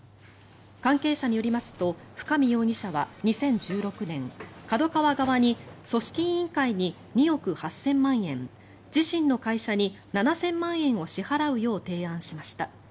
関係者によりますと深見容疑者は２０１６年ＫＡＤＯＫＡＷＡ側に組織委員会に２億８０００万円自身の会社に７０００万円を支払うよう提案しました。